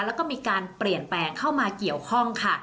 แล้วก็มีการเปลี่ยนแปลงเข้ามาเกี่ยวข้องค่ะ